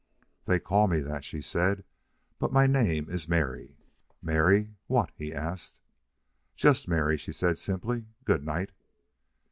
"They call me that," she said. "But my name is Mary." "Mary what?" he asked. "Just Mary," she said, simply. "Good night."